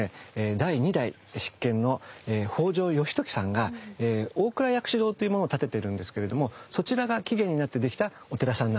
第二代執権の北条義時さんが大倉薬師堂というものを建ててるんですけれどもそちらが起源になって出来たお寺さんなんですね。